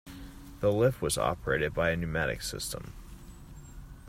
The lift was operated by a pneumatic system.